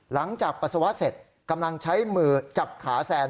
ปัสสาวะเสร็จกำลังใช้มือจับขาแซน